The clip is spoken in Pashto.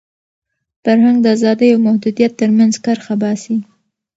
فرهنګ د ازادۍ او محدودیت تر منځ کرښه باسي.